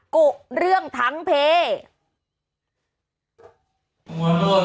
กลุ่มเรื่องทั้งเพลย์